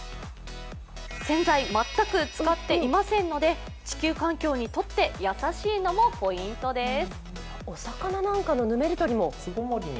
洗剤、全く使っていないので地球環境にとって優しいのもポイントです。